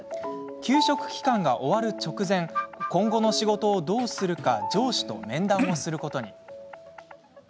休職期間が終わる直前今後の仕事をどうするか上司と面談をすることに。